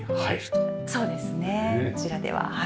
そうですねこちらでは。